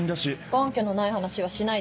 根拠のない話はしないで。